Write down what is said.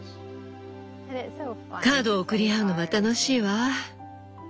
カードを送り合うのは楽しいわ。